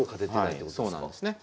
そうなんですね。